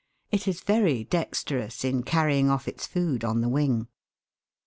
It is very dexterous in carrying off its food on the wing.